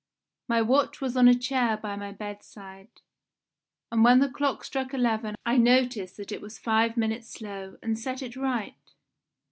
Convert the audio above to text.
My watch was on a chair by my bedside, and when the clock struck eleven I noticed that it was five minutes slow, and set it right.